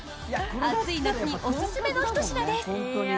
暑い夏におすすめのひと品です。